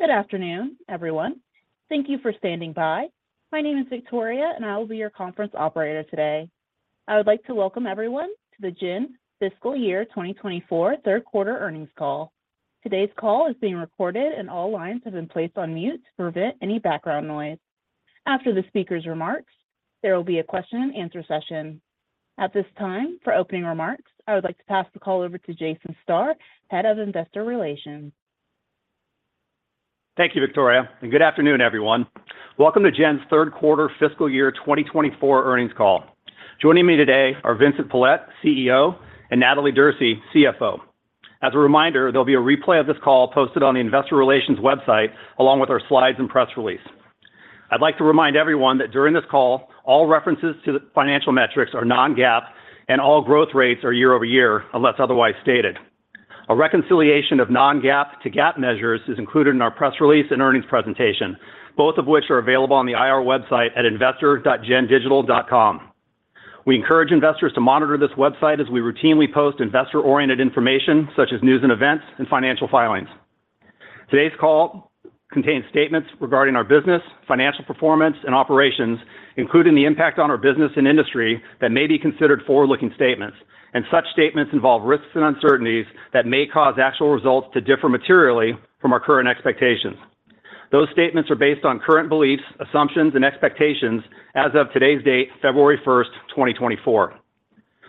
Good afternoon, everyone. Thank you for standing by. My name is Victoria, and I will be your conference operator today. I would like to welcome everyone to the Gen Fiscal Year 2024 third quarter earnings call. Today's call is being recorded, and all lines have been placed on mute to prevent any background noise. After the speaker's remarks, there will be a question-and-answer session. At this time, for opening remarks, I would like to pass the call over to Jason Starr, Head of Investor Relations. Thank you, Victoria, and good afternoon, everyone. Welcome to Gen's third quarter fiscal year 2024 earnings call. Joining me today are Vincent Pilette, CEO, and Natalie Derse, CFO. As a reminder, there'll be a replay of this call posted on the Investor Relations website, along with our slides and press release. I'd like to remind everyone that during this call, all references to the financial metrics are non-GAAP, and all growth rates are year over year, unless otherwise stated. A reconciliation of non-GAAP to GAAP measures is included in our press release and earnings presentation, both of which are available on the IR website at investor.gendigital.com. We encourage investors to monitor this website as we routinely post investor-oriented information such as news and events and financial filings. Today's call contains statements regarding our business, financial performance, and operations, including the impact on our business and industry, that may be considered forward-looking statements, and such statements involve risks and uncertainties that may cause actual results to differ materially from our current expectations. Those statements are based on current beliefs, assumptions, and expectations as of today's date, February first, 2024.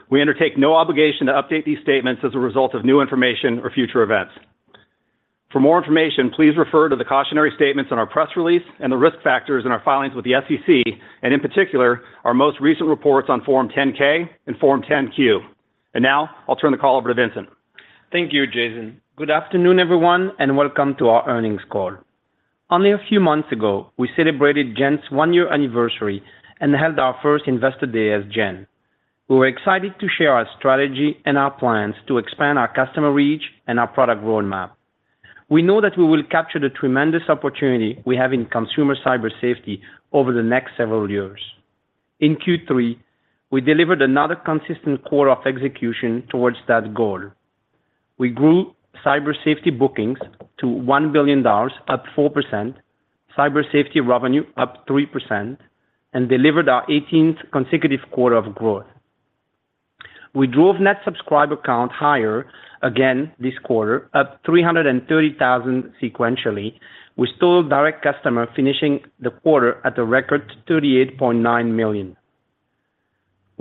We undertake no obligation to update these statements as a result of new information or future events. For more information, please refer to the cautionary statements in our press release and the risk factors in our filings with the SEC, and in particular, our most recent reports on Form 10-K and Form 10-Q. Now I'll turn the call over to Vincent. Thank you, Jason. Good afternoon, everyone, and welcome to our earnings call. Only a few months ago, we celebrated Gen's one-year anniversary and held our first Investor Day as Gen. We were excited to share our strategy and our plans to expand our customer reach and our product roadmap. We know that we will capture the tremendous opportunity we have in consumer cyber safety over the next several years. In Q3, we delivered another consistent quarter of execution towards that goal. We grew cyber safety bookings to $1 billion, up 4%, cyber safety revenue up 3%, and delivered our 18th consecutive quarter of growth. We drove net subscriber count higher again this quarter, up 330,000 sequentially, with total direct customers finishing the quarter at a record 38.9 million.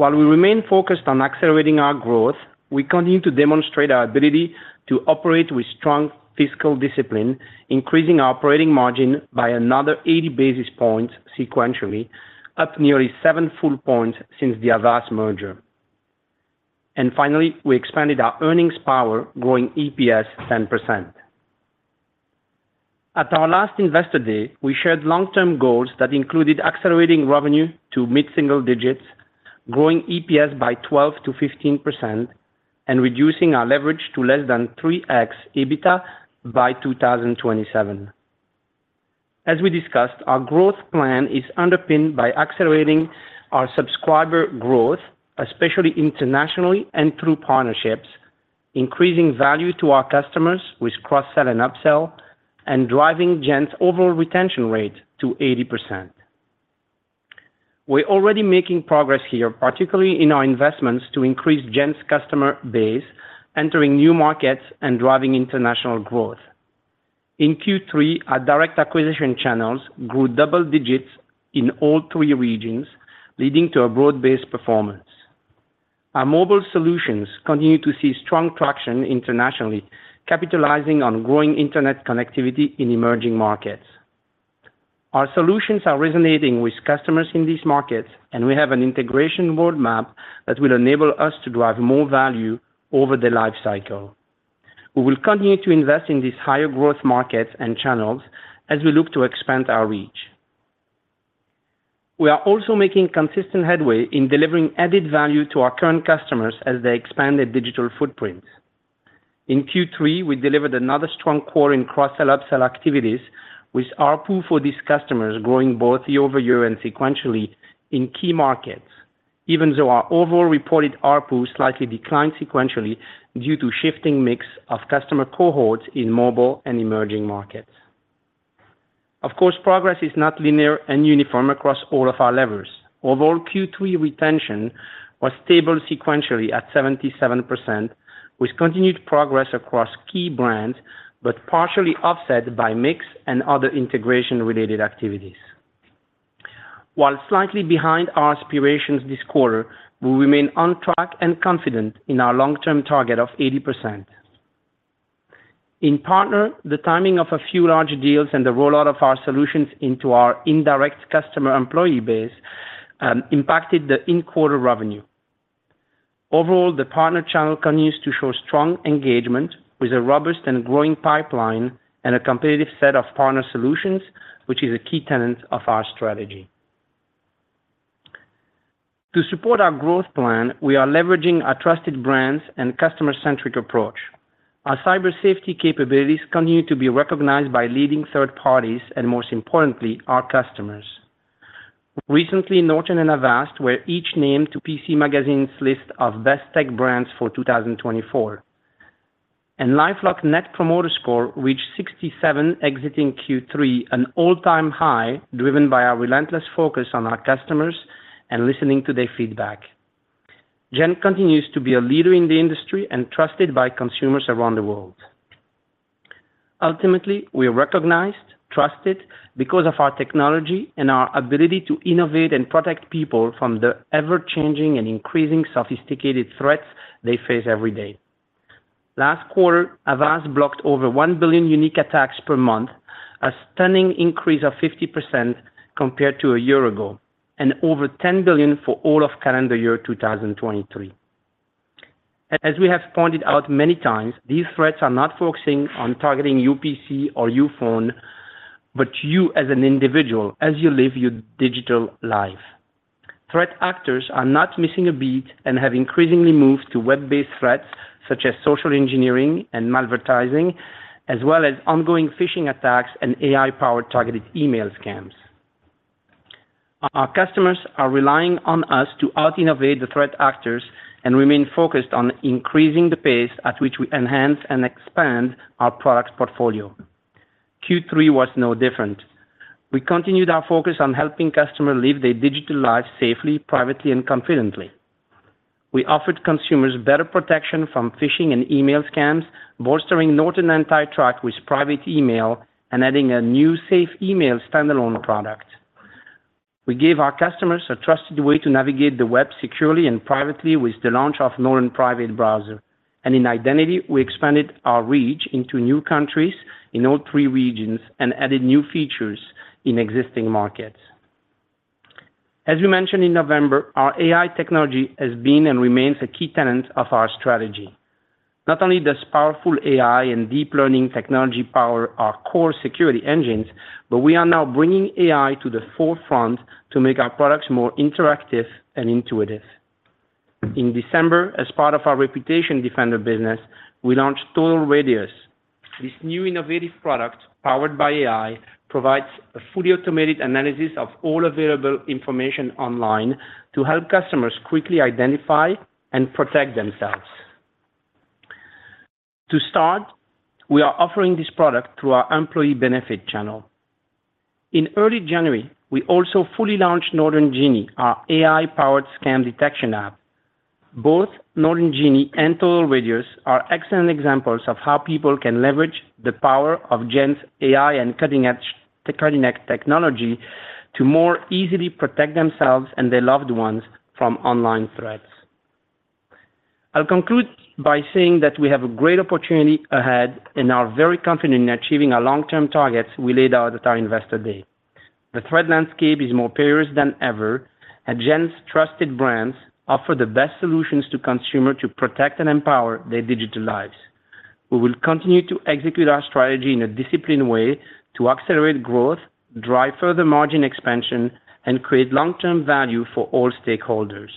While we remain focused on accelerating our growth, we continue to demonstrate our ability to operate with strong fiscal discipline, increasing our operating margin by another 80 basis points sequentially, up nearly seven full points since the Avast merger. And finally, we expanded our earnings power, growing EPS 10%. At our last Investor Day, we shared long-term goals that included accelerating revenue to mid-single digits, growing EPS by 12%-15%, and reducing our leverage to less than 3x EBITDA by 2027. As we discussed, our growth plan is underpinned by accelerating our subscriber growth, especially internationally and through partnerships, increasing value to our customers with cross-sell and upsell, and driving Gen's overall retention rate to 80%. We're already making progress here, particularly in our investments to increase Gen's customer base, entering new markets, and driving international growth. In Q3, our direct acquisition channels grew double digits in all three regions, leading to a broad-based performance. Our mobile solutions continue to see strong traction internationally, capitalizing on growing internet connectivity in emerging markets. Our solutions are resonating with customers in these markets, and we have an integration roadmap that will enable us to drive more value over the life cycle. We will continue to invest in these higher growth markets and channels as we look to expand our reach. We are also making consistent headway in delivering added value to our current customers as they expand their digital footprint. In Q3, we delivered another strong quarter in cross-sell, upsell activities, with ARPU for these customers growing both year-over-year and sequentially in key markets, even though our overall reported ARPU slightly declined sequentially due to shifting mix of customer cohorts in mobile and emerging markets. Of course, progress is not linear and uniform across all of our levers. Overall, Q3 retention was stable sequentially at 77%, with continued progress across key brands, but partially offset by mix and other integration-related activities. While slightly behind our aspirations this quarter, we remain on track and confident in our long-term target of 80%. In partner, the timing of a few large deals and the rollout of our solutions into our indirect customer employee base, impacted the in-quarter revenue. Overall, the partner channel continues to show strong engagement with a robust and growing pipeline and a competitive set of partner solutions, which is a key tenet of our strategy. To support our growth plan, we are leveraging our trusted brands and customer-centric approach. Our Cyber Safety capabilities continue to be recognized by leading third parties, and most importantly, our customers. Recently, Norton and Avast were each named to PC Magazine's list of Best Tech Brands for 2024. LifeLock Net Promoter Score reached 67 exiting Q3, an all-time high, driven by our relentless focus on our customers and listening to their feedback. Gen continues to be a leader in the industry and trusted by consumers around the world. Ultimately, we are recognized, trusted, because of our technology and our ability to innovate and protect people from the ever-changing and increasing sophisticated threats they face every day. Last quarter, Avast blocked over 1 billion unique attacks per month, a stunning increase of 50% compared to a year ago, and over 10 billion for all of calendar year 2023. As we have pointed out many times, these threats are not focusing on targeting your PC or your phone, but you as an individual, as you live your digital life. Threat actors are not missing a beat and have increasingly moved to web-based threats, such as social engineering and malvertising, as well as ongoing phishing attacks and AI-powered targeted email scams. Our customers are relying on us to out-innovate the threat actors and remain focused on increasing the pace at which we enhance and expand our products portfolio. Q3 was no different. We continued our focus on helping customers live their digital lives safely, privately, and confidently. We offered consumers better protection from phishing and email scams, bolstering Norton AntiTrack with Private Email and adding a new Safe Email standalone product. We gave our customers a trusted way to navigate the web securely and privately with the launch of Norton Private Browser. And in Identity, we expanded our reach into new countries in all three regions and added new features in existing markets. As we mentioned in November, our AI technology has been and remains a key tenet of our strategy. Not only does powerful AI and deep learning technology power our core security engines, but we are now bringing AI to the forefront to make our products more interactive and intuitive. In December, as part of our ReputationDefender business, we launched Total Radius. This new innovative product, powered by AI, provides a fully automated analysis of all available information online to help customers quickly identify and protect themselves. To start, we are offering this product through our employee benefit channel. In early January, we also fully launched Norton Genie, our AI-powered scan detection app. Both Norton Genie and Total Radius are excellent examples of how people can leverage the power of Gen's AI and cutting-edge technology to more easily protect themselves and their loved ones from online threats. I'll conclude by saying that we have a great opportunity ahead and are very confident in achieving our long-term targets we laid out at our Investor Day. The threat landscape is more perilous than ever, and Gen's trusted brands offer the best solutions to consumers to protect and empower their digital lives. We will continue to execute our strategy in a disciplined way to accelerate growth, drive further margin expansion, and create long-term value for all stakeholders.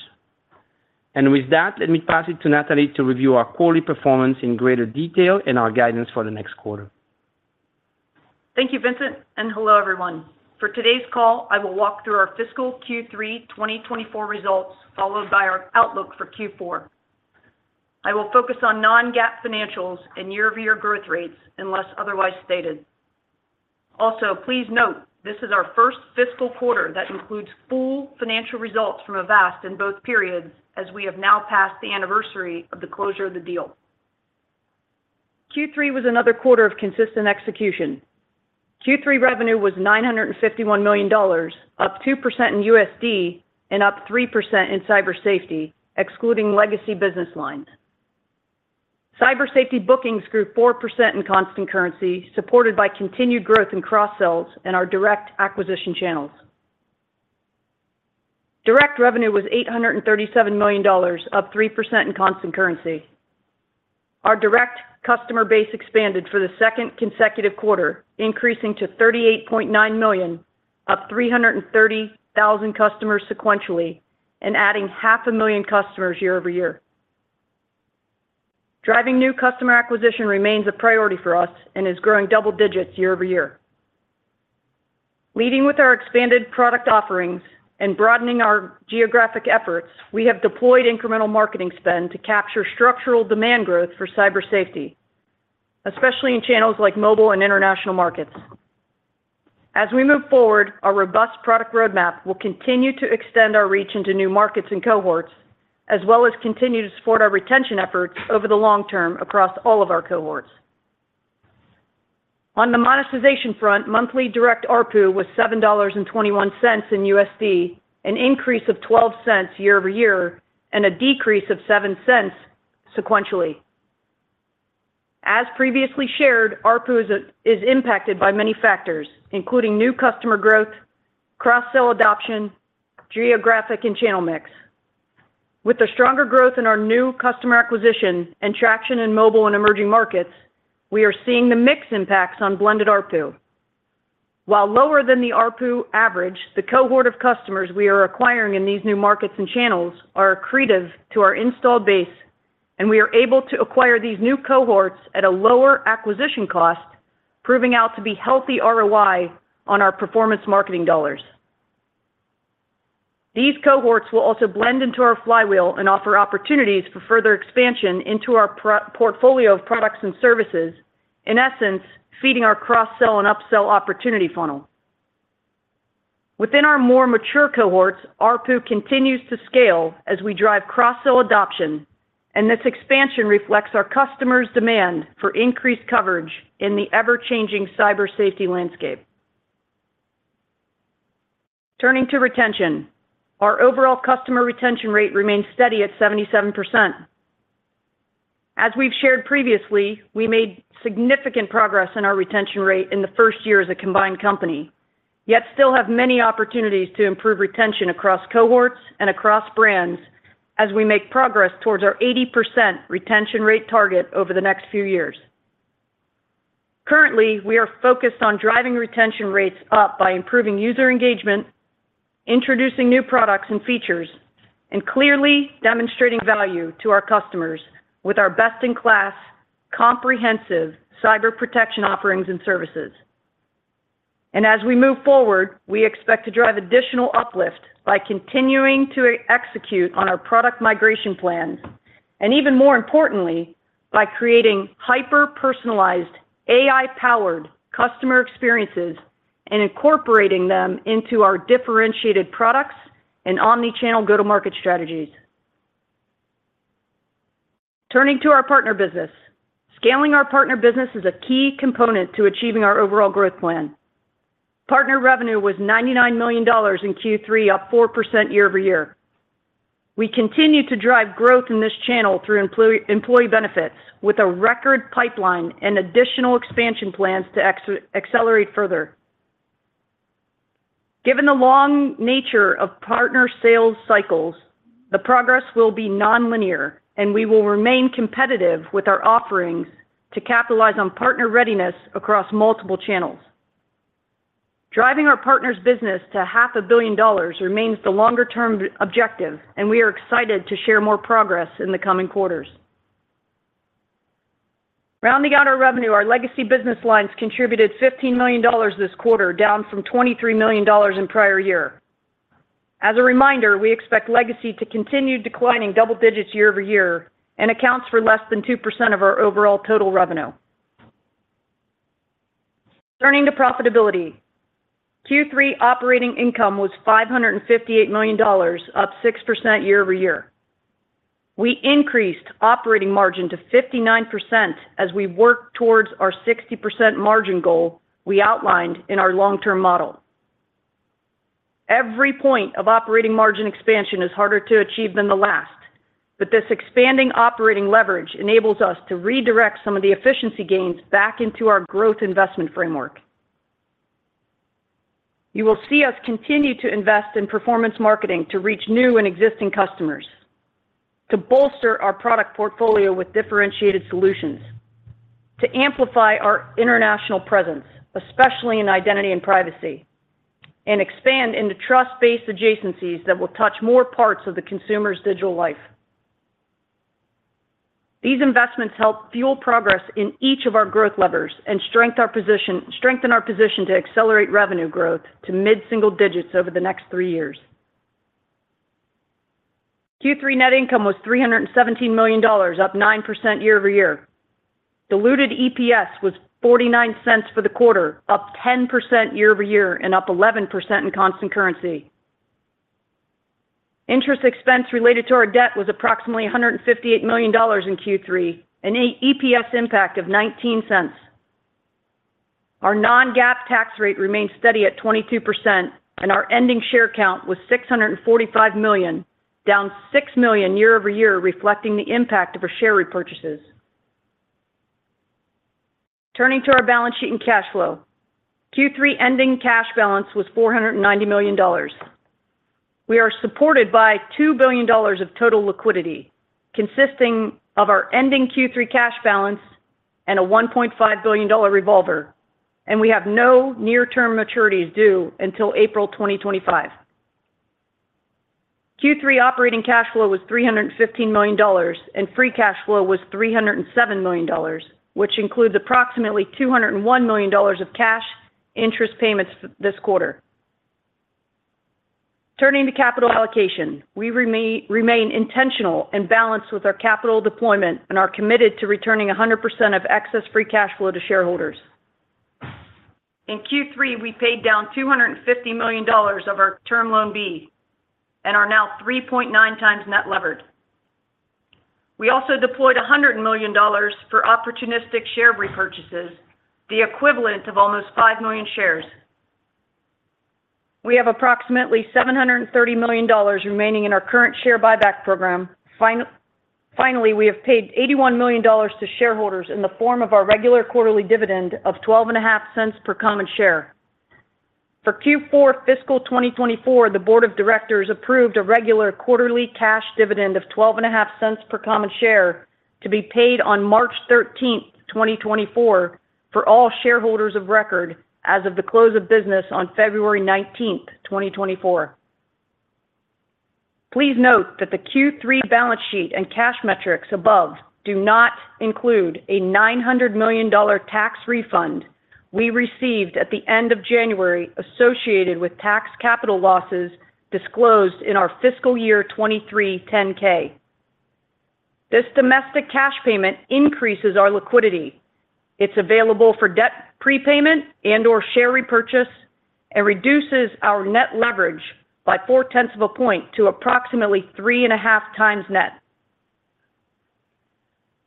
With that, let me pass it to Natalie to review our quarterly performance in greater detail and our guidance for the next quarter. Thank you, Vincent, and hello, everyone. For today's call, I will walk through our fiscal Q3 2024 results, followed by our outlook for Q4. I will focus on non-GAAP financials and year-over-year growth rates, unless otherwise stated. Also, please note, this is our first fiscal quarter that includes full financial results from Avast in both periods, as we have now passed the anniversary of the closure of the deal. Q3 was another quarter of consistent execution. Q3 revenue was $951 million, up 2% in USD and up 3% in Cyber Safety, excluding legacy business lines. Cyber Safety bookings grew 4% in constant currency, supported by continued growth in cross-sells and our direct acquisition channels. Direct revenue was $837 million, up 3% in constant currency. Our direct customer base expanded for the second consecutive quarter, increasing to 38.9 million, up 330,000 customers sequentially and adding 500,000 customers year-over-year. Driving new customer acquisition remains a priority for us and is growing double digits year-over-year. Leading with our expanded product offerings and broadening our geographic efforts, we have deployed incremental marketing spend to capture structural demand growth for Cyber Safety, especially in channels like mobile and international markets. As we move forward, our robust product roadmap will continue to extend our reach into new markets and cohorts, as well as continue to support our retention efforts over the long term across all of our cohorts. On the monetization front, monthly direct ARPU was $7.21 in USD, an increase of $0.12 year-over-year and a decrease of $0.07 sequentially. As previously shared, ARPU is impacted by many factors, including new customer growth, cross-sell adoption, geographic and channel mix. With the stronger growth in our new customer acquisition and traction in mobile and emerging markets, we are seeing the mix impacts on blended ARPU. While lower than the ARPU average, the cohort of customers we are acquiring in these new markets and channels are accretive to our installed base and we are able to acquire these new cohorts at a lower acquisition cost, proving out to be healthy ROI on our performance marketing dollars. These cohorts will also blend into our flywheel and offer opportunities for further expansion into our portfolio of products and services, in essence, feeding our cross-sell and upsell opportunity funnel. Within our more mature cohorts, ARPU continues to scale as we drive cross-sell adoption, and this expansion reflects our customers' demand for increased coverage in the ever-changing cyber safety landscape. Turning to retention, our overall customer retention rate remains steady at 77%. As we've shared previously, we made significant progress in our retention rate in the first year as a combined company, yet still have many opportunities to improve retention across cohorts and across brands as we make progress towards our 80% retention rate target over the next few years. Currently, we are focused on driving retention rates up by improving user engagement, introducing new products and features, and clearly demonstrating value to our customers with our best-in-class, comprehensive cyber protection offerings and services. As we move forward, we expect to drive additional uplift by continuing to execute on our product migration plans, and even more importantly, by creating hyper-personalized, AI-powered customer experiences and incorporating them into our differentiated products and omni-channel go-to-market strategies. Turning to our partner business. Scaling our partner business is a key component to achieving our overall growth plan. Partner revenue was $99 million in Q3, up 4% year-over-year. We continue to drive growth in this channel through employee benefits, with a record pipeline and additional expansion plans to accelerate further. Given the long nature of partner sales cycles, the progress will be nonlinear, and we will remain competitive with our offerings to capitalize on partner readiness across multiple channels. Driving our partners business to $500 million remains the longer-term objective, and we are excited to share more progress in the coming quarters. Rounding out our revenue, our legacy business lines contributed $15 million this quarter, down from $23 million in prior year. As a reminder, we expect legacy to continue declining double digits year over year and accounts for less than 2% of our overall total revenue. Turning to profitability, Q3 operating income was $558 million, up 6% year-over-year. We increased operating margin to 59% as we work towards our 60% margin goal we outlined in our long-term model. Every point of operating margin expansion is harder to achieve than the last, but this expanding operating leverage enables us to redirect some of the efficiency gains back into our growth investment framework. You will see us continue to invest in performance marketing to reach new and existing customers, to bolster our product portfolio with differentiated solutions, to amplify our international presence, especially in identity and privacy, and expand into trust-based adjacencies that will touch more parts of the consumer's digital life. These investments help fuel progress in each of our growth levers and strengthen our position to accelerate revenue growth to mid-single digits over the next three years. Q3 net income was $317 million, up 9% year-over-year. Diluted EPS was $0.49 for the quarter, up 10% year-over-year and up 11% in constant currency. Interest expense related to our debt was approximately $158 million in Q3, an EPS impact of $0.19. Our non-GAAP tax rate remains steady at 22%, and our ending share count was 645 million, down 6 million year-over-year, reflecting the impact of our share repurchases. Turning to our balance sheet and cash flow. Q3 ending cash balance was $490 million. We are supported by $2 billion of total liquidity, consisting of our ending Q3 cash balance and a $1.5 billion revolver, and we have no near-term maturities due until April 2025. Q3 operating cash flow was $315 million, and free cash flow was $307 million, which includes approximately $201 million of cash interest payments this quarter. Turning to capital allocation, we remain intentional and balanced with our capital deployment and are committed to returning 100% of excess free cash flow to shareholders. In Q3, we paid down $250 million of our Term Loan B and are now 3.9 times net levered. We also deployed $100 million for opportunistic share repurchases, the equivalent of almost 5 million shares. We have approximately $730 million remaining in our current share buyback program. Finally, we have paid $81 million to shareholders in the form of our regular quarterly dividend of $0.125 per common share. For Q4 fiscal 2024, the board of directors approved a regular quarterly cash dividend of $0.125 per common share to be paid on March 13th, 2024, for all shareholders of record as of the close of business on February nineteenth, 2024. Please note that the Q3 balance sheet and cash metrics above do not include a $900 million tax refund we received at the end of January, associated with tax capital losses disclosed in our fiscal year 2023 10-K. This domestic cash payment increases our liquidity. It's available for debt prepayment and/or share repurchase, and reduces our net leverage by 0.4 of a point to approximately 3.5 times net.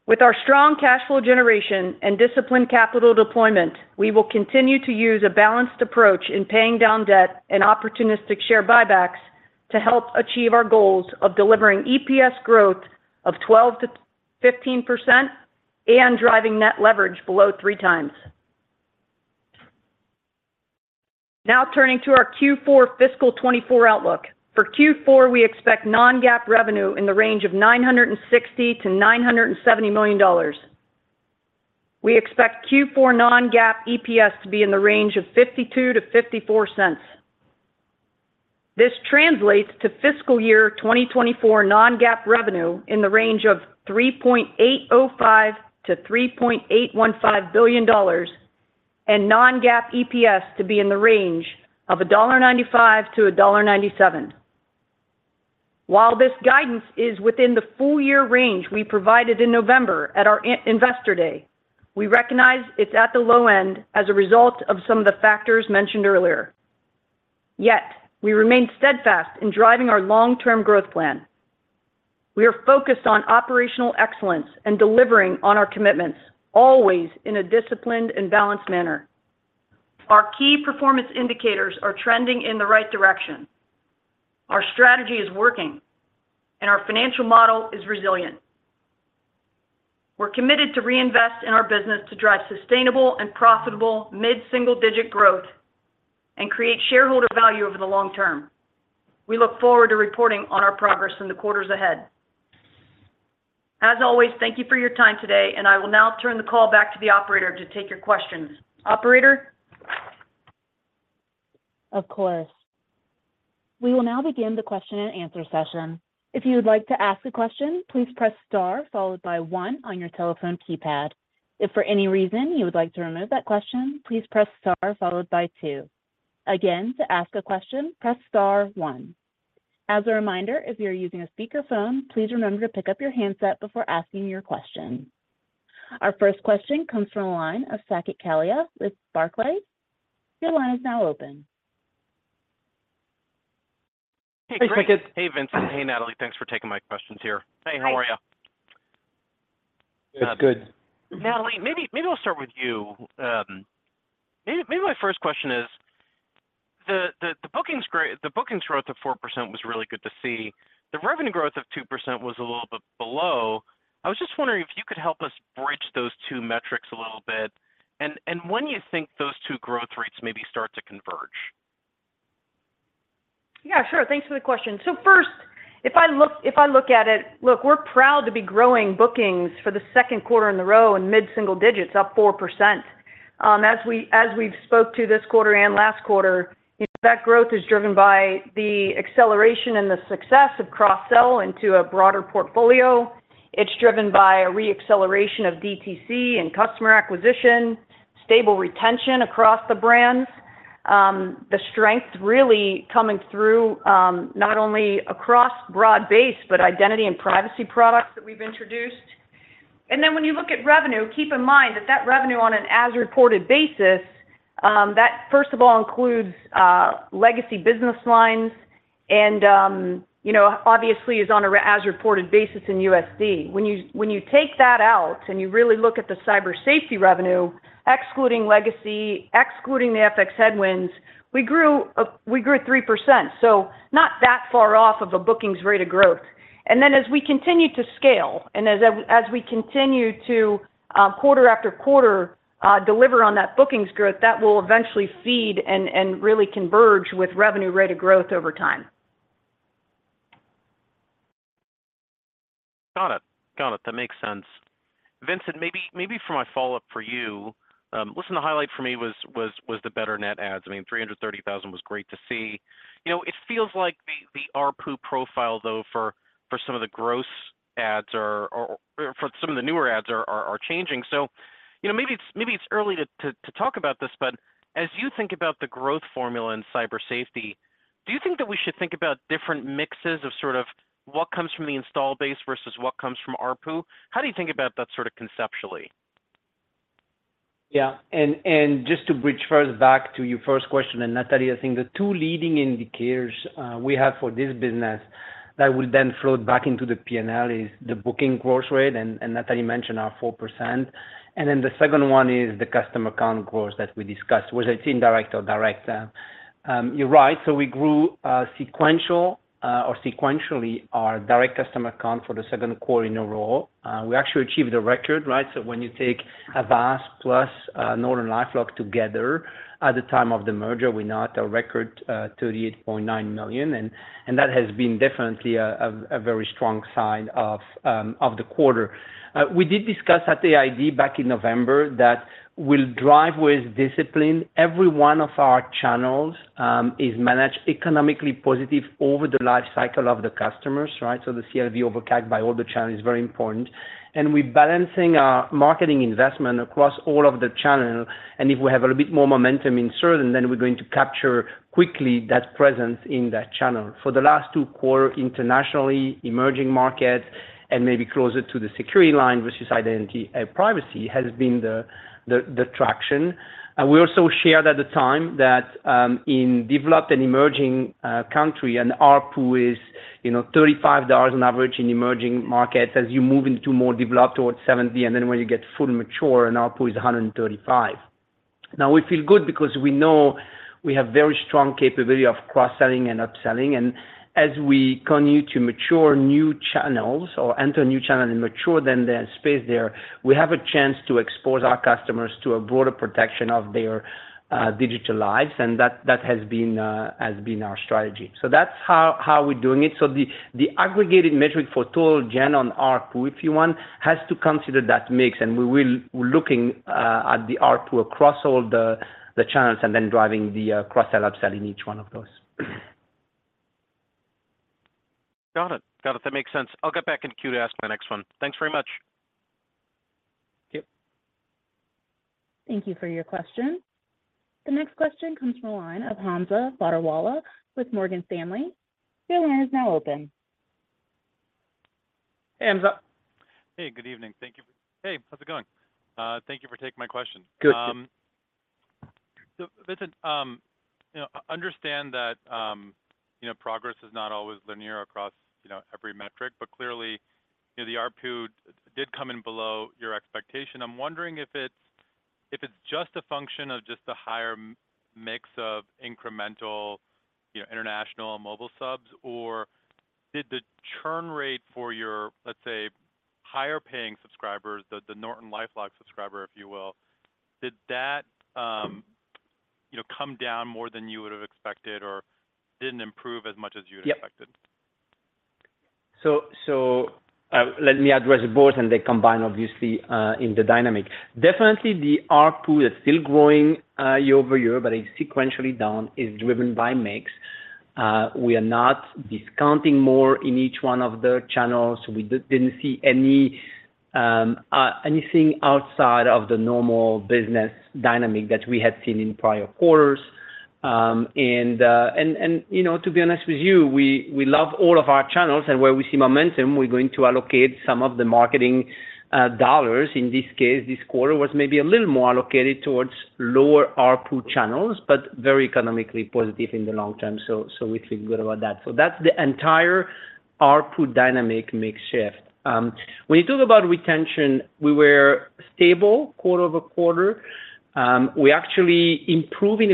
With our strong cash flow generation and disciplined capital deployment, we will continue to use a balanced approach in paying down debt and opportunistic share buybacks to help achieve our goals of delivering EPS growth of 12%-15% and driving net leverage below 3 times. Now, turning to our Q4 fiscal 2024 outlook. For Q4, we expect non-GAAP revenue in the range of $960 million-$970 million. We expect Q4 non-GAAP EPS to be in the range of $0.52-$0.54. This translates to fiscal year 2024 non-GAAP revenue in the range of $3.805 billion-$3.815 billion, and non-GAAP EPS to be in the range of $1.95-$1.97. While this guidance is within the full year range we provided in November at our Investor Day, we recognize it's at the low end as a result of some of the factors mentioned earlier. Yet, we remain steadfast in driving our long-term growth plan. We are focused on operational excellence and delivering on our commitments, always in a disciplined and balanced manner. Our key performance indicators are trending in the right direction. Our strategy is working, and our financial model is resilient. We're committed to reinvest in our business to drive sustainable and profitable mid-single-digit growth, and create shareholder value over the long term. We look forward to reporting on our progress in the quarters ahead. As always, thank you for your time today, and I will now turn the call back to the operator to take your questions. Operator? Of course. We will now begin the question and answer session. If you would like to ask a question, please press star followed by one on your telephone keypad. If for any reason you would like to remove that question, please press star followed by two. Again, to ask a question, press star one. As a reminder, if you're using a speakerphone, please remember to pick up your handset before asking your question. Our first question comes from the line of Saket Kalia with Barclays. Your line is now open. Hey, Vincent. Hey, Natalie. Thanks for taking my questions here. Hey, how are you? Good. Natalie, maybe, maybe I'll start with you. Maybe my first question is, the bookings growth of 4% was really good to see. The revenue growth of 2% was a little bit below. I was just wondering if you could help us bridge those two metrics a little bit, and when you think those two growth rates maybe start to converge? Yeah, sure. Thanks for the question. So first, if I look at it, look, we're proud to be growing bookings for the second quarter in a row in mid-single digits, up 4%. As we've spoke to this quarter and last quarter, that growth is driven by the acceleration and the success of cross-sell into a broader portfolio. It's driven by a re-acceleration of DTC and customer acquisition, stable retention across the brands. The strength really coming through, not only across broad base, but identity and privacy products that we've introduced. And then when you look at revenue, keep in mind that that revenue on an as-reported basis, that first of all, includes legacy business lines, and you know, obviously is on a as-reported basis in USD. When you, when you take that out and you really look at the Cyber Safety revenue, excluding legacy, excluding the FX headwinds, we grew, we grew 3%, so not that far off of the bookings rate of growth. And then as we continue to scale, and as, as we continue to, quarter after quarter, deliver on that bookings growth, that will eventually feed and, and really converge with revenue rate of growth over time. Got it. Got it. That makes sense. Vincent, maybe for my follow-up for you, listen, the highlight for me was the better net adds. I mean, 330,000 was great to see. You know, it feels like the ARPU profile, though, for some of the gross adds or for some of the newer adds are changing. So, you know, maybe it's early to talk about this, but as you think about the growth formula in Cyber Safety, do you think that we should think about different mixes of sort of what comes from the install base versus what comes from ARPU? How do you think about that sort of conceptually? Yeah, and just to bridge first back to your first question, and Natalie, I think the two leading indicators we have for this business that will then flow back into the P&L is the booking growth rate, and Natalie mentioned our 4%. And then the second one is the customer count growth that we discussed, whether it's indirect or direct. You're right. So we grew sequentially our direct customer count for the second quarter in a row. We actually achieved a record, right? So when you take Avast plus Norton LifeLock together at the time of the merger, we're now at a record 38.9 million, and that has been definitely a very strong sign of the quarter. We did discuss at the ID back in November that we'll drive with discipline. Every one of our channels is managed economically positive over the life cycle of the customers, right? So the CLV over CAC by all the channels is very important. We're balancing our marketing investment across all of the channel, and if we have a little bit more momentum in certain, then we're going to capture quickly that presence in that channel. For the last two quarter, internationally, emerging markets, and maybe closer to the security line, which is identity and privacy, has been the traction. We also shared at the time that, in developed and emerging country, and ARPU is, you know, $35 on average in emerging markets as you move into more developed towards 70, and then when you get fully mature, and ARPU is 135. Now, we feel good because we know we have very strong capability of cross-selling and upselling, and as we continue to mature new channels or enter a new channel and mature them, there's space there. We have a chance to expose our customers to a broader protection of their digital lives, and that has been our strategy. So that's how we're doing it. So the aggregated metric for total Gen on ARPU, if you want, has to consider that mix, and we're looking at the ARPU across all the channels and then driving the cross-sell, upsell in each one of those. Got it. Got it. That makes sense. I'll get back in queue to ask my next one. Thanks very much. Yep. Thank you for your question. The next question comes from the line of Hamza Fodderwala with Morgan Stanley. Your line is now open. Hamza? Hey, good evening. Thank you. Hey, how's it going? Thank you for taking my question. Good. So listen, you know, I understand that, you know, progress is not always linear across, you know, every metric, but clearly, you know, the ARPU did come in below your expectation. I'm wondering if it's, if it's just a function of just the higher mix of incremental, you know, international and mobile subs, or did the churn rate for your, let's say, higher-paying subscribers, the, the Norton LifeLock subscriber, if you will, did that, you know, come down more than you would have expected or didn't improve as much as you'd expected? Yep. Let me address both, and they combine obviously in the dynamic. Definitely the ARPU is still growing year-over-year, but it's sequentially down, is driven by mix. We are not discounting more in each one of the channels. We didn't see anything outside of the normal business dynamic that we had seen in prior quarters. And you know, to be honest with you, we love all of our channels, and where we see momentum, we're going to allocate some of the marketing dollars. In this case, this quarter was maybe a little more allocated towards lower ARPU channels, but very economically positive in the long term. So we feel good about that. So that's the entire ARPU dynamic mix shift. When you talk about retention, we were stable quarter-over-quarter. We're actually improving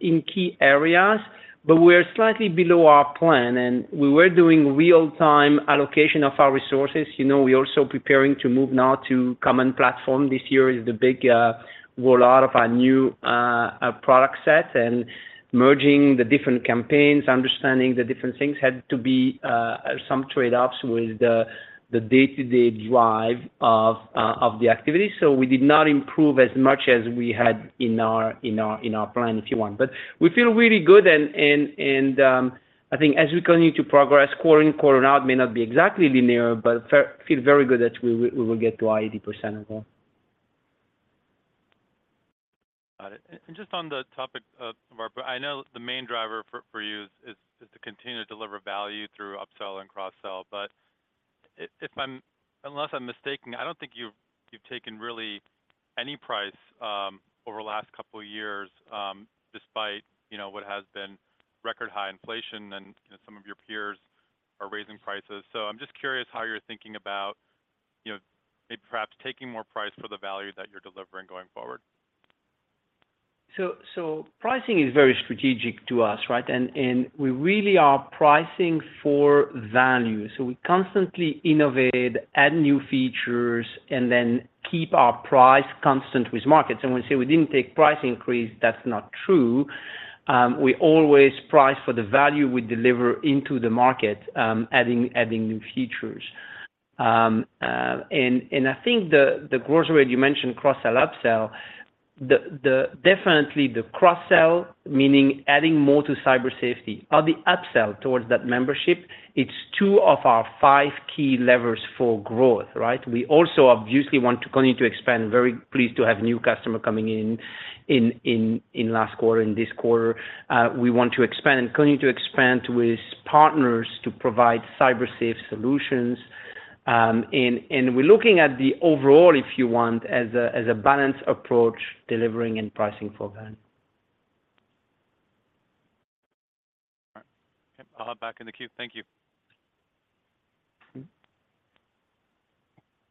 in key areas, but we're slightly below our plan, and we were doing real-time allocation of our resources. You know, we're also preparing to move now to common platform. This year is the big product set and merging the different campaigns, understanding the different things had to be some trade-offs with the day-to-day drive of the activity. So we did not improve as much as we had in our plan, if you want. But we feel really good and I think as we continue to progress, quarter-in-quarter-out may not be exactly linear, but feel very good that we will get to our 80% goal. Got it. And just on the topic of ARPU, I know the main driver for you is to continue to deliver value through upsell and cross-sell, but unless I'm mistaken, I don't think you've taken really any price over the last couple of years, despite, you know, what has been record-high inflation and, you know, some of your peers are raising prices. So I'm just curious how you're thinking about, you know, maybe perhaps taking more price for the value that you're delivering going forward. So, pricing is very strategic to us, right? And we really are pricing for value, so we constantly innovate, add new features, and then keep our price constant with markets. And when we say we didn't take price increase, that's not true. We always price for the value we deliver into the market, adding new features. I think the growth rate you mentioned, cross-sell, upsell, definitely the cross-sell, meaning adding more to Cyber Safety or the upsell towards that membership, it's two of our five key levers for growth, right? We also obviously want to continue to expand, very pleased to have new customer coming in last quarter, in this quarter. We want to expand and continue to expand with partners to provide cyber-safe solutions. And we're looking at the overall, if you want, as a balanced approach, delivering and pricing for value. All right. I'll hop back in the queue. Thank you.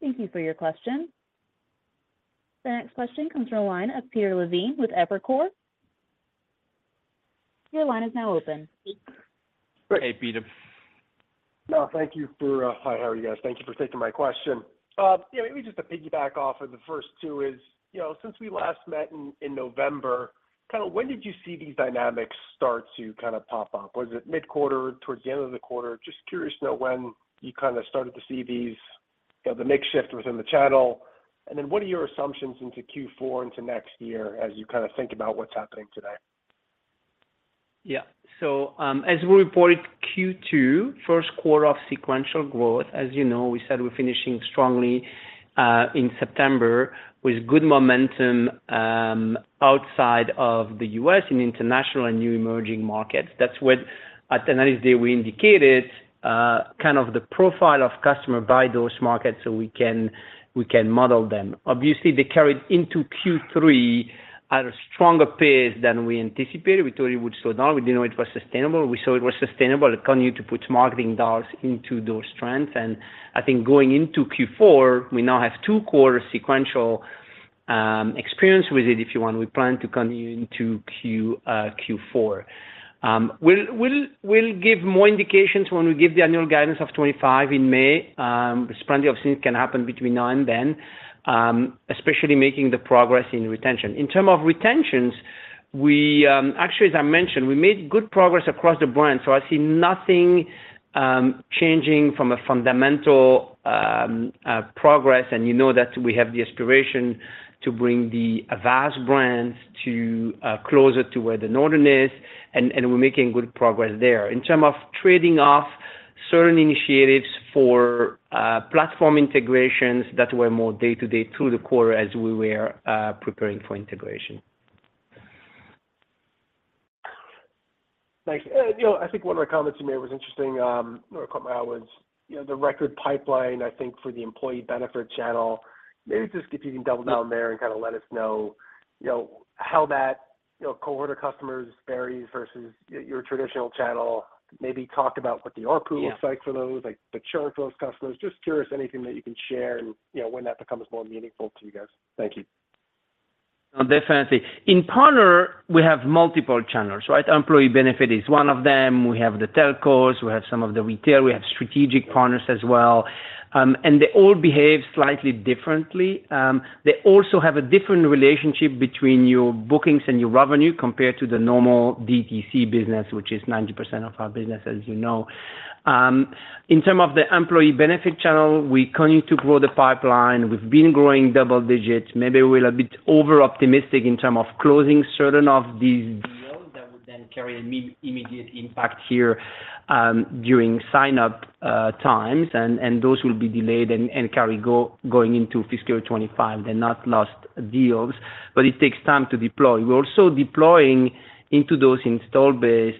Thank you for your question. The next question comes from the line of Peter Levine with Evercore. Your line is now open. Hey, Peter. No, thank you for... Hi, how are you guys? Thank you for taking my question. Yeah, maybe just to piggyback off of the first two is, you know, since we last met in November, kind of when did you see these dynamics start to kind of pop up? Was it mid-quarter, towards the end of the quarter? Just curious to know when you kind of started to see these, you know, the mix shift within the channel. And then what are your assumptions into Q4 into next year as you kind of think about what's happening today? Yeah. So, as we reported Q2, first quarter of sequential growth, as you know, we said we're finishing strongly in September with good momentum outside of the US and international and new emerging markets. That's what at the end of the day, we indicated kind of the profile of customer by those markets, so we can, we can model them. Obviously, they carried into Q3 at a stronger pace than we anticipated. We thought it would slow down. We didn't know it was sustainable. We saw it was sustainable. It continued to put marketing dollars into those trends. And I think going into Q4, we now have two quarter sequential experience with it, if you want. We plan to continue into Q, Q4. We'll, we'll, we'll give more indications when we give the annual guidance of 25 in May. There's plenty of things can happen between now and then, especially making the progress in retention. In term of retentions, we, actually, as I mentioned, we made good progress across the brand, so I see nothing, changing from a fundamental, progress, and you know that we have the aspiration to bring the Avast brands to, closer to where the Norton is, and, and we're making good progress there. In term of trading off certain initiatives for, platform integrations, that were more day-to-day through the quarter as we were, preparing for integration. Thanks. You know, I think one of the comments you made was interesting, or a couple hours, you know, the record pipeline, I think, for the employee benefit channel. Maybe just if you can double down there and kind of let us know, you know, how that, you know, cohort of customers varies versus your traditional channel. Maybe talk about what the ARPU- Yeah Looks like for those, like, the churn for those customers. Just curious, anything that you can share and, you know, when that becomes more meaningful to you guys. Thank you. Definitely. In partners, we have multiple channels, right? Employee benefit is one of them. We have the telcos, we have some of the retail, we have strategic partners as well, and they all behave slightly differently. They also have a different relationship between your bookings and your revenue, compared to the normal DTC business, which is 90% of our business, as you know. In terms of the employee benefit channel, we continue to grow the pipeline. We've been growing double digits. Maybe we're a bit overoptimistic in terms of closing certain of these deals that would then carry an immediate impact here, during sign-up times, and those will be delayed and carry going into fiscal 2025. They're not lost deals, but it takes time to deploy. We're also deploying into those installed base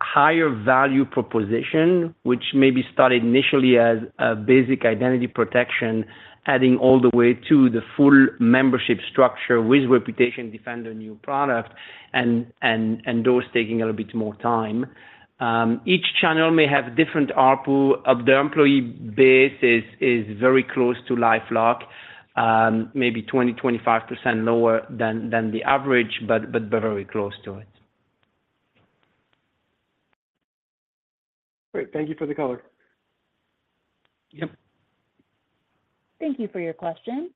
higher value proposition, which may be started initially as a basic identity protection, adding all the way to the full membership structure with ReputationDefender, a new product, and those taking a little bit more time. Each channel may have different ARPU of the installed base is very close to LifeLock, maybe 20-25% lower than the average, but very close to it. Great. Thank you for the color. Yep. Thank you for your question.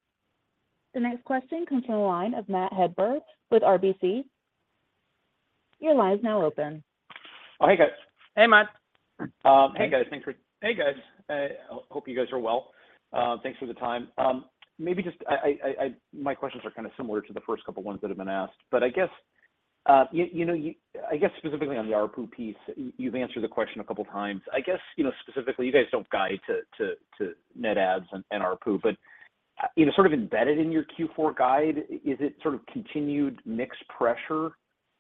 The next question comes from the line of Matt Hedberg with RBC. Your line is now open. Oh, hey, guys. Hey, Matt. Hey, guys. I hope you guys are well. Thanks for the time. Maybe just my questions are kind of similar to the first couple of ones that have been asked, but I guess, you know, I guess specifically on the ARPU piece, you've answered the question a couple of times. I guess, you know, specifically, you guys don't guide to net adds and ARPU, but, you know, sort of embedded in your Q4 guide, is it sort of continued mixed pressure?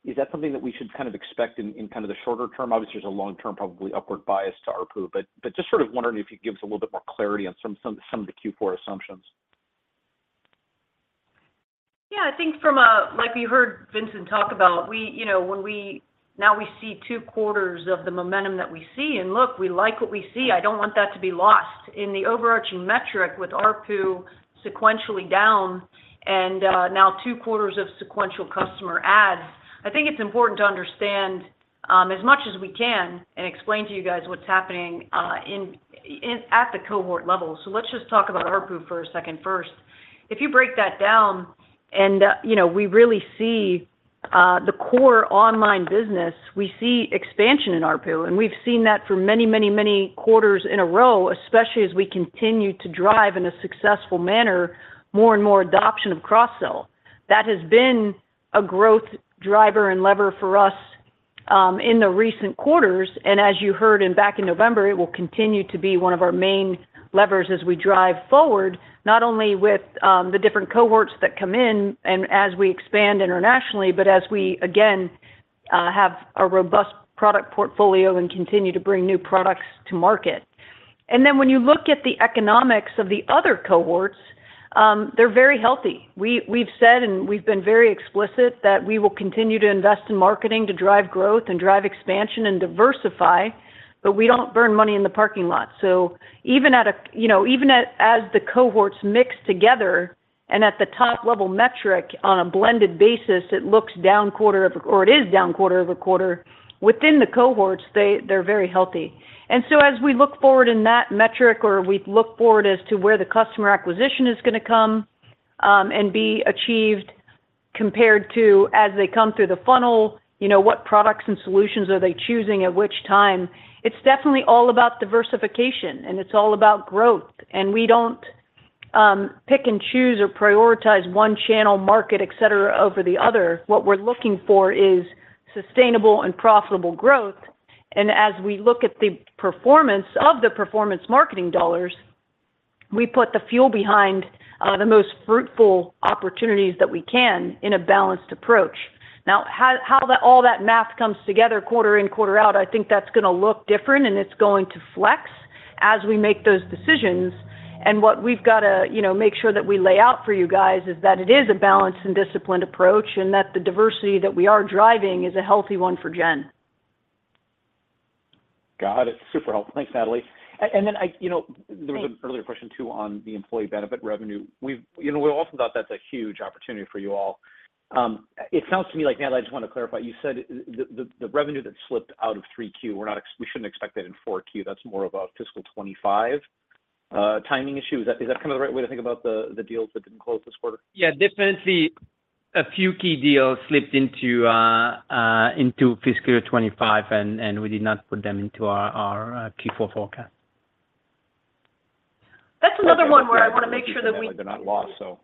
Is that something that we should kind of expect in kind of the shorter term? Obviously, there's a long-term, probably upward bias to ARPU, but just sort of wondering if you could give us a little bit more clarity on some of the Q4 assumptions. Yeah, I think from a—like we heard Vincent talk about, we, you know, when we now see two quarters of the momentum that we see, and look, we like what we see. I don't want that to be lost. In the overarching metric with ARPU sequentially down and now two quarters of sequential customer adds, I think it's important to understand as much as we can and explain to you guys what's happening in at the cohort level. So let's just talk about ARPU for a second first. If you break that down and you know, we really see the core online business, we see expansion in ARPU, and we've seen that for many, many, many quarters in a row, especially as we continue to drive in a successful manner, more and more adoption of cross-sell. That has been a growth driver and lever for us in the recent quarters, and as you heard back in November, it will continue to be one of our main levers as we drive forward, not only with the different cohorts that come in and as we expand internationally, but as we, again, have a robust product portfolio and continue to bring new products to market. And then when you look at the economics of the other cohorts-... they're very healthy. We've said, and we've been very explicit, that we will continue to invest in marketing to drive growth and drive expansion and diversify, but we don't burn money in the parking lot. So even at, you know, as the cohorts mix together and at the top level metric on a blended basis, it looks down quarter over quarter, or it is down quarter over quarter, within the cohorts, they're very healthy. And so as we look forward in that metric, or we look forward as to where the customer acquisition is gonna come, and be achieved compared to as they come through the funnel, you know, what products and solutions are they choosing at which time? It's definitely all about diversification, and it's all about growth. We don't pick and choose or prioritize one channel market, et cetera, over the other. What we're looking for is sustainable and profitable growth, and as we look at the performance of the performance marketing dollars, we put the fuel behind the most fruitful opportunities that we can in a balanced approach. Now, how that math comes together, quarter in, quarter out, I think that's gonna look different, and it's going to flex as we make those decisions. And what we've got to, you know, make sure that we lay out for you guys is that it is a balanced and disciplined approach, and that the diversity that we are driving is a healthy one for Gen. Got it. Super helpful. Thanks, Natalie. And then I—you know, there was an earlier question, too, on the employee benefit revenue. We've—you know, we also thought that's a huge opportunity for you all. It sounds to me like, Natalie, I just want to clarify, you said the revenue that slipped out of Q3, we're not—we shouldn't expect that in Q4. That's more of a fiscal 2025 timing issue. Is that kind of the right way to think about the deals that didn't close this quarter? Yeah, definitely a few key deals slipped into fiscal year 2025, and we did not put them into our Q4 forecast. That's another one where I want to make sure that we- They're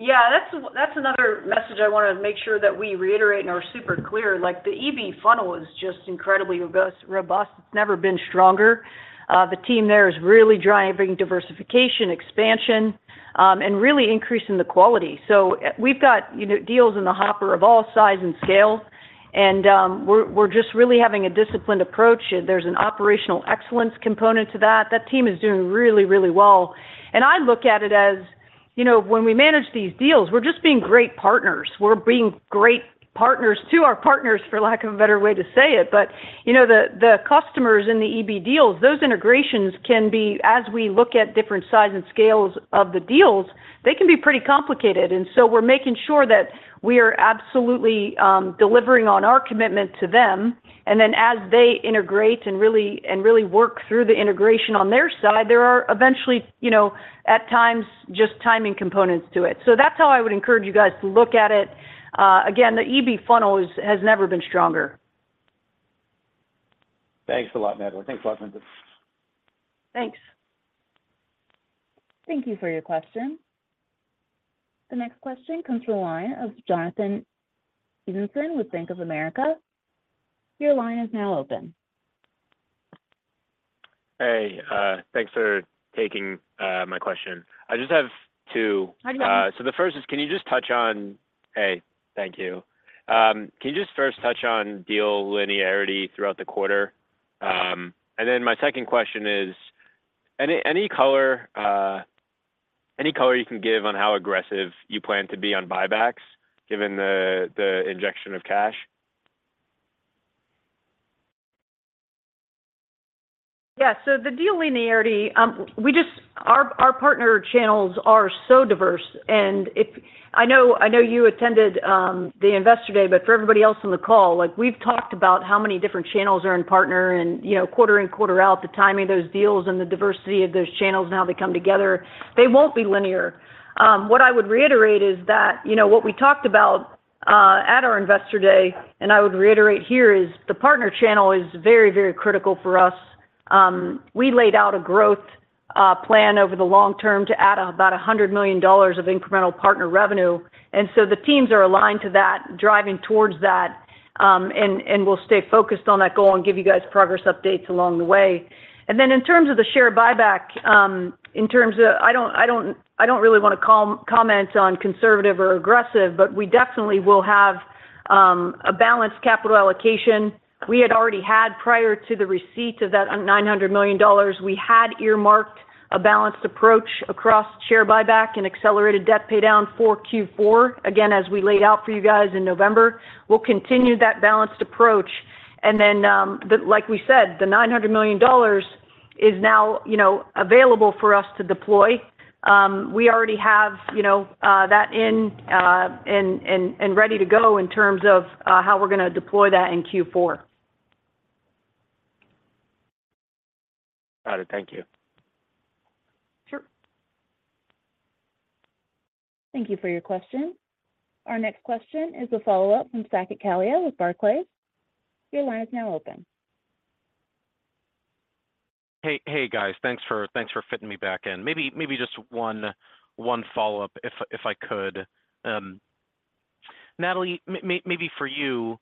not lost, so. Yeah, that's, that's another message I wanna make sure that we reiterate and are super clear. Like, the EB funnel is just incredibly robust, robust. It's never been stronger. The team there is really driving diversification, expansion, and really increasing the quality. So we've got, you know, deals in the hopper of all size and scale, and, we're just really having a disciplined approach. There's an operational excellence component to that. That team is doing really, really well. And I look at it as, you know, when we manage these deals, we're just being great partners. We're being great partners to our partners, for lack of a better way to say it. But, you know, the customers in the EB deals, those integrations can be, as we look at different sizes and scales of the deals, pretty complicated. So we're making sure that we are absolutely delivering on our commitment to them. Then, as they integrate and really work through the integration on their side, there are eventually, you know, at times, just timing components to it. So that's how I would encourage you guys to look at it. Again, the EB funnel has never been stronger. Thanks a lot, Natalie. Thanks a lot. Thanks. Thank you for your question. The next question comes from the line of Jonathan Eisenson with Bank of America. Your line is now open. Hey, thanks for taking my question. I just have two. Hi, Jonathan. So the first is, can you just touch on... Hey, thank you. Can you just first touch on deal linearity throughout the quarter? And then my second question is, any color you can give on how aggressive you plan to be on buybacks, given the injection of cash? Yeah, so the deal linearity, we just our partner channels are so diverse, and if I know, I know you attended the Investor Day, but for everybody else on the call, like, we've talked about how many different channels are in partner and, you know, quarter in, quarter out, the timing of those deals and the diversity of those channels and how they come together, they won't be linear. What I would reiterate is that, you know, what we talked about at our Investor Day, and I would reiterate here, is the partner channel is very, very critical for us. We laid out a growth plan over the long term to add about $100 million of incremental partner revenue. And so the teams are aligned to that, driving towards that, and we'll stay focused on that goal and give you guys progress updates along the way. And then in terms of the share buyback, in terms of I don't really want to comment on conservative or aggressive, but we definitely will have a balanced capital allocation. We had already had, prior to the receipt of that $900 million, we had earmarked a balanced approach across share buyback and accelerated debt paydown for Q4. Again, as we laid out for you guys in November, we'll continue that balanced approach. And then, like we said, the $900 million is now, you know, available for us to deploy. We already have, you know, that in ready to go in terms of how we're gonna deploy that in Q4. Got it. Thank you. Sure. Thank you for your question. Our next question is a follow-up from Saket Kalia with Barclays. Your line is now open. Hey, guys. Thanks for fitting me back in. Maybe just one follow-up if I could. Natalie, maybe for you.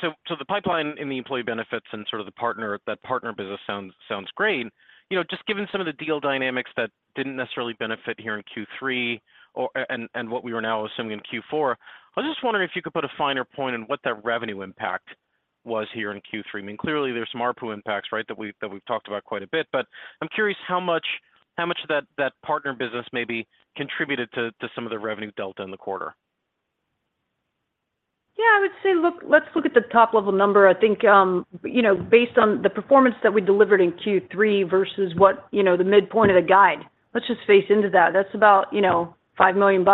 So the pipeline in the employee benefits and sort of the partner, that partner business sounds great. You know, just given some of the deal dynamics that didn't necessarily benefit here in Q3 or—and what we were now assuming in Q4, I was just wondering if you could put a finer point on what that revenue impact.... was here in Q3? I mean, clearly, there's some ARPU impacts, right? That we've talked about quite a bit. But I'm curious how much of that partner business maybe contributed to some of the revenue delta in the quarter. Yeah, I would say, look, let's look at the top-level number. I think, you know, based on the performance that we delivered in Q3 versus what, you know, the midpoint of the guide, let's just face into that. That's about, you know, $5 million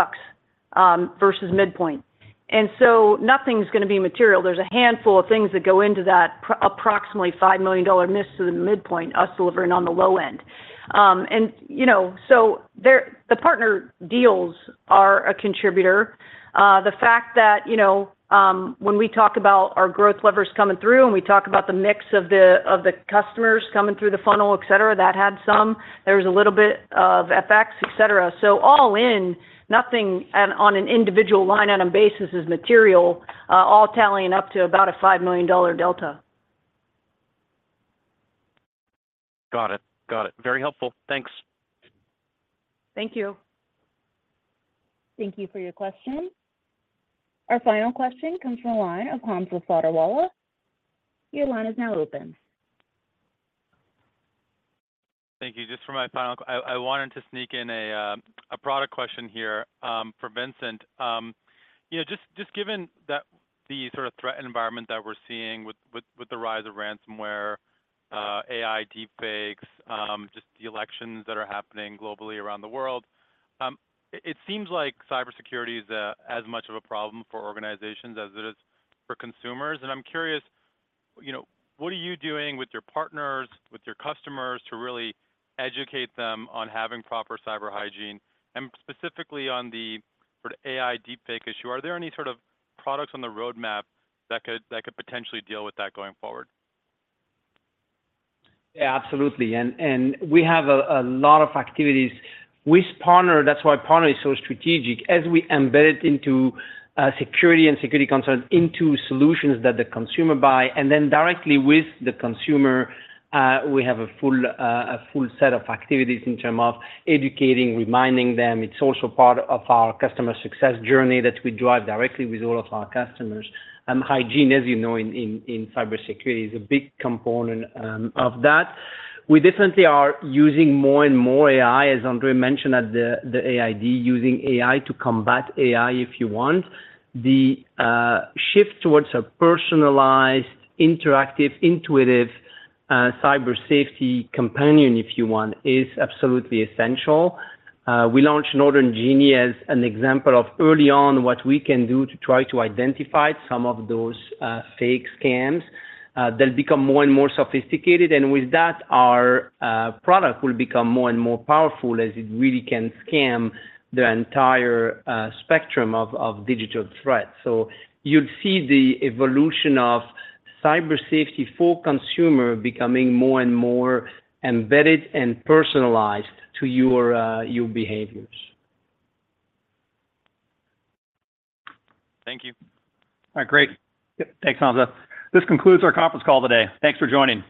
versus midpoint. And so nothing's gonna be material. There's a handful of things that go into that approximately $5 million miss to the midpoint, us delivering on the low end. And, you know, so there, the partner deals are a contributor. The fact that, you know, when we talk about our growth levers coming through, and we talk about the mix of the customers coming through the funnel, et cetera, that had some. There was a little bit of effects, et cetera. So all in, nothing on an individual line on a basis is material, all tallying up to about a $5 million delta. Got it. Got it. Very helpful. Thanks. Thank you. Thank you for your question. Our final question comes from the line of Hamza Fodderwala. Your line is now open. Thank you. Just for my final, I wanted to sneak in a product question here, for Vincent. You know, just given that the sort of threat environment that we're seeing with the rise of ransomware, AI deepfakes, just the elections that are happening globally around the world, it seems like cybersecurity is as much of a problem for organizations as it is for consumers. And I'm curious, you know, what are you doing with your partners, with your customers to really educate them on having proper cyber hygiene, and specifically on the sort of AI deepfake issue? Are there any sort of products on the roadmap that could potentially deal with that going forward? Yeah, absolutely. We have a lot of activities. We partner, that's why partner is so strategic, as we embed it into security and security concerns into solutions that the consumer buy, and then directly with the consumer, we have a full set of activities in term of educating, reminding them. It's also part of our customer success journey that we drive directly with all of our customers. Hygiene, as you know, in cybersecurity, is a big component of that. We definitely are using more and more AI, as Ondrej mentioned, at the AID, using AI to combat AI, if you want. The shift towards a personalized, interactive, intuitive cyber safety companion, if you want, is absolutely essential. We launched Norton Genie as an example of early on, what we can do to try to identify some of those fake scams. They'll become more and more sophisticated, and with that, our product will become more and more powerful as it really can scam the entire spectrum of digital threats. So you'd see the evolution of Cyber Safety for consumer becoming more and more embedded and personalized to your your behaviors. Thank you. All right, great. Yep. Thanks, Hamza. This concludes our conference call today. Thanks for joining.